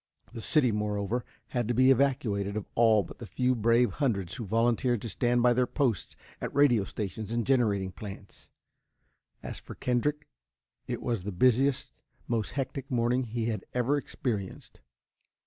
The city, moreover, had to be evacuated of all but the few brave hundreds who volunteered to stand by their posts at radio stations and generating plants. As for Kendrick, it was the busiest, most hectic morning he had ever experienced.